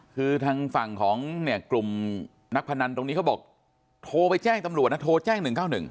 คือทางฝั่งของเนี่ยกลุ่มนักพนันตรงนี้เขาบอกโทรไปแจ้งตำรวจนะโทรแจ้ง๑๙๑